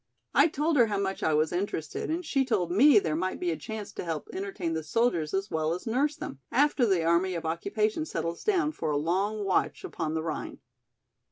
I told her how much I was interested and she told me there might be a chance to help entertain the soldiers as well as nurse them, after the army of occupation settles down for a long watch upon the Rhine.